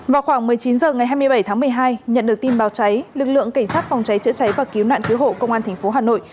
vào khoảng một mươi chín h ngày hai mươi bảy tháng một mươi hai nhận được tin báo cháy lực lượng cảnh sát phòng cháy chữa cháy và cứu nạn cứu hộ công an tp hà nội